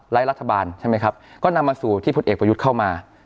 รัฐบาลใช่ไหมครับก็นำมาสู่ที่พลเอกประยุทธ์เข้ามา